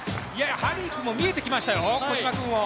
ハリー君も見えてきましたよ、小島くんを。